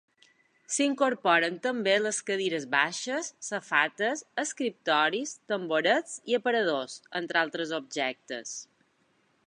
S'incorporen també les cadires baixes, safates, escriptoris, tamborets i aparadors, entre altres objectes.